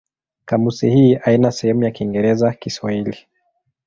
Kamusi hii haina sehemu ya Kiingereza-Kiswahili.